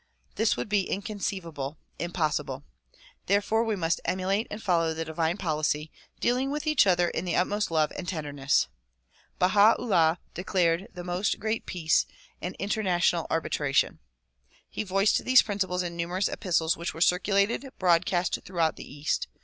This would be inconceivable, impossible. Therefore we must emulate and follow the divine policy, dealing with each other in the utmost love and tenderness. Baha 'Ullah declared the "Most Great Peace" and interna tional arbitration. He voiced these principles in numerous epistles which were circulated broadcast throughout the east.